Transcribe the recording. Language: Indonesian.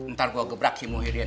ntar gua gebrak si muhidin